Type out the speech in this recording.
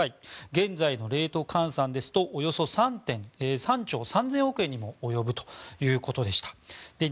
現在のレート換算ですとおよそ３兆３０００億円にも及ぶということでした。